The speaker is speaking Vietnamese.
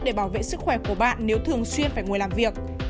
để bảo vệ sức khỏe của bạn nếu thường xuyên phải ngồi làm việc